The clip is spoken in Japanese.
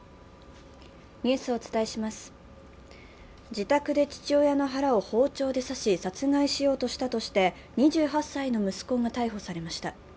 自宅で父親の腹を包丁で刺し、殺害しようとしたとして２８歳の息子が逮捕されました。